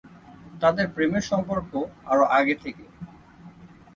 তাঁদের প্রেমের সম্পর্ক আরও আগে থেকে।